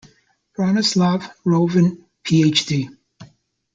Branislav Rovan, Phd.